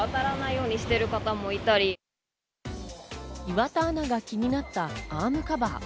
岩田アナが気になったアームカバー。